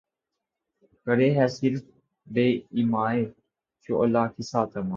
کرے ہے صِرف بہ ایمائے شعلہ قصہ تمام